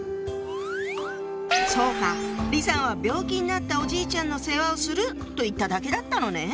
そうか李さんは「病気になったおじいちゃんの世話をする」と言っただけだったのね。